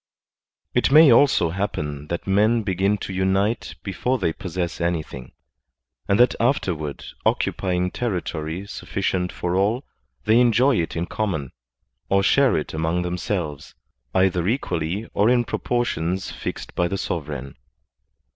It may also happen that men begin to tmite before they possess anything, and that afterward occupying ter ritory suflficient for all, they enjoy it in common, or share it among themselves, either equally or in proportions fixed by the sovereign.